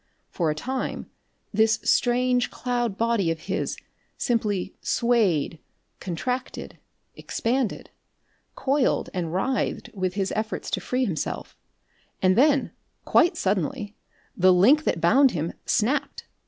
For a time this new strange cloud body of his simply swayed, contracted, expanded, coiled, and writhed with his efforts to free himself, and then quite suddenly the link that bound him snapped.